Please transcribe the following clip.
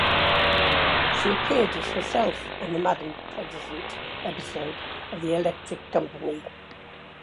She appeared as herself on the "Madame President" episode of "The Electric Company".